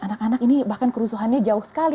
anak anak ini bahkan kerusuhannya jauh sekali